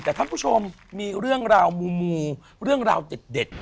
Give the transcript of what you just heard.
แต่ท่านผู้ชมมีเรื่องราวมูเรื่องราวเด็ด